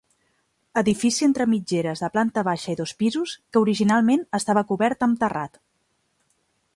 Edifici entre mitgeres de planta baixa i dos pisos que originalment estava cobert amb terrat.